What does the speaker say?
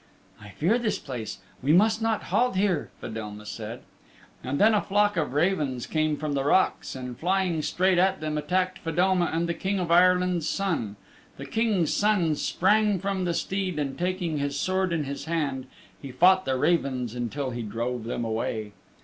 "I fear this place. We must not halt here," Fedelma said. And then a flock of ravens came from the rocks, and flying straight at them attacked Fedelma and the King of Ireland's Son. The King's Son sprang from the steed and taking his sword in his hand he fought the ravens until he drove them away.